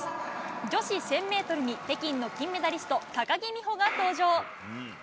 女子１０００メートルに北京の金メダリスト、高木美帆が登場。